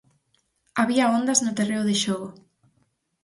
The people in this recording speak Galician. Había ondas no terreo de xogo.